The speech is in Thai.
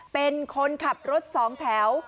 เป็นคนขับรถสองแถว